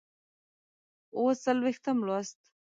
اووه څلوېښتم لوست